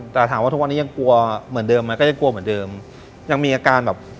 แต่ถามว่าทุกวันนี้ยังกลัวเหมือนเดิมไหมก็ยังกลัวเหมือนเดิมยังมีอาการแบบ